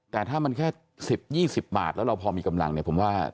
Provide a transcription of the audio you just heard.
แต่ถ้ามันแค่๑๐๒๐บาทแล้วเราพอมีกำลังเนี่ยผมว่า